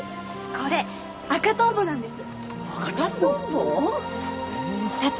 これが赤トンボの碑です。